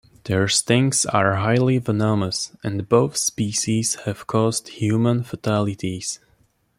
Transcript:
Their stings are highly venomous, and both species have caused human fatalities.